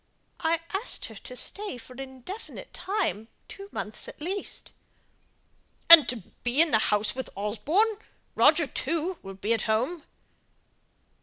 I asked her to stay for an indefinite time; two months at least." "And to be in the house with Osborne! Roger, too, will be at home."